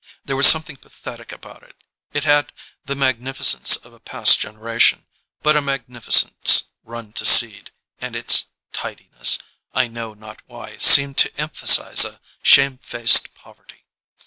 There was something pathetic about it. It had the magnificence of a past generation, but a magnificence run to seed, 110 THE DINING ROOM and its tidiness, I know not why, seemed to empha size a shame faced poverty.